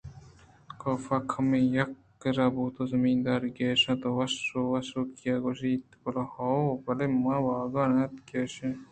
کاف کمے یک کِرّ بوت ءُ زمیندارءِ کش اَت ءُوش وشوکی ءَ گوٛشت ہئو بلئے منی واہگ اِنت کہ انشپی ہمدا وپساں